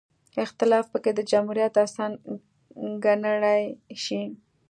اختلاف پکې د جمهوریت حسن ګڼلی شي.